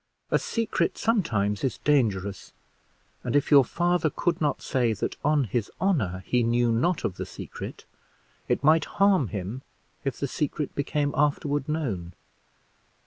A secret sometimes is dangerous; and if your father could not say that on his honor he knew not of the secret, it might harm him if the secret became afterward known.